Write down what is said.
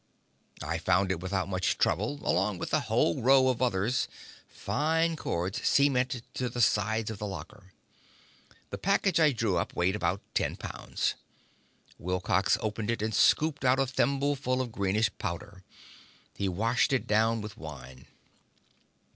I found it without much trouble along with a whole row of others, fine cords cemented to the side of the locker. The package I drew up weighed about ten pounds. Wilcox opened it and scooped out a thimbleful of greenish powder. He washed it down with wine.